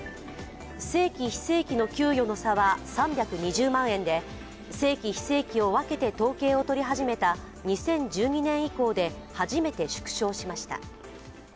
正規・非正規の給与の差は３２０万円で正規・非正規を分けて統計を取り始めた２０１２年以降で初めて縮小しました。